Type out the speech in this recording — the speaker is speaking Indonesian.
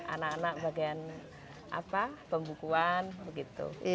anak anak bagian pembukuan begitu